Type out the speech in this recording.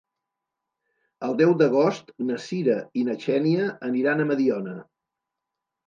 El deu d'agost na Sira i na Xènia aniran a Mediona.